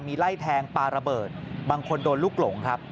มีไล่แทงปลาระเบิดบางคนโดนลูกหลงครับ